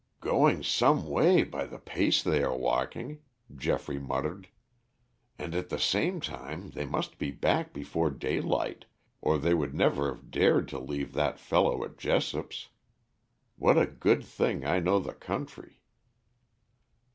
"Going some way by the pace they are walking," Geoffrey muttered, "and at the same time they must be back before daylight, or they would never have dared to leave that fellow at Jessop's. What a good thing I know the country."